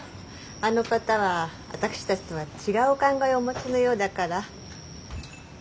あの方は私たちとは違うお考えをお持ちのようだから。